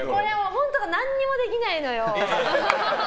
本当に何にもできないのよ。